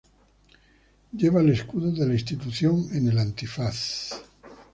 Lleva el escudo de la institución en el antifaz.